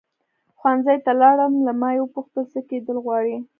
ښوونځي ته لاړم له ما یې وپوښتل څه کېدل غواړې.